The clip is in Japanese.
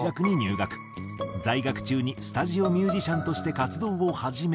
在学中にスタジオミュージシャンとして活動を始め。